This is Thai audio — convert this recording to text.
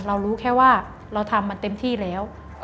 เรารู้แค่ว่าเราทำมันเต็มที่แล้ว